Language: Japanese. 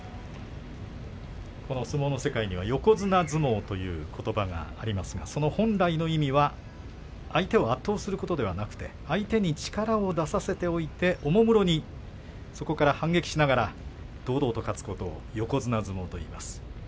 この相撲の世界には横綱相撲ということばがありますがその本来の意味は相手を圧倒することではなくて相手に力を出させておいておもむろに、そこから反撃しながら堂々と勝つことを横綱相撲といいます。